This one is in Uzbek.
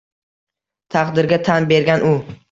Taqdirga tan bergan u